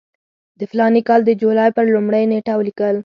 د فلاني کال د جولای پر لومړۍ نېټه ولیکل.